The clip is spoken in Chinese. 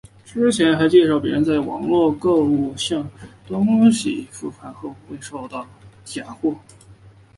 之前还介绍别人在网路购物中向丁买东西但别人也是付款后未收到东西或收到假货。